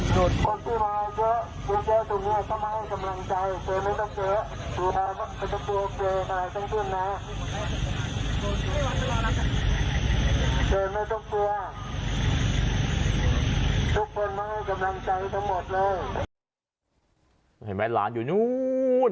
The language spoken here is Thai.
ทุกคนมาให้กำลังใจทั้งหมดเลย